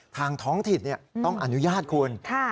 ท้องถิ่นต้องอนุญาตคุณ